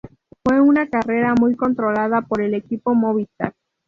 Fue una carrera muy controlada por el equipo Movistar.